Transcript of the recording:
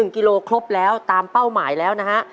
กิโลครบแล้วตามเป้าหมายแล้วนะฮะ